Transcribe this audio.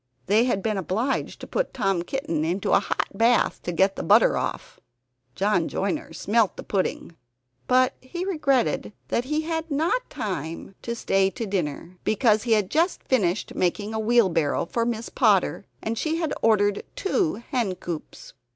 They had been obliged to put Tom Kitten into a hot bath to get the butter off. John Joiner smelt the pudding; but he regretted that he had not time to stay to dinner, because he had just finished making a wheelbarrow for Miss Potter, and she had ordered two hen coops.